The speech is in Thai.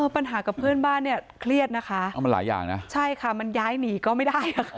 ปัญหากับเพื่อนบ้านเนี่ยเครียดนะคะมันย้ายหนีอยู่ก็ไม่ได้นะคะมันหลายอย่างนะ